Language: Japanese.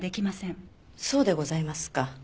そうでございますか。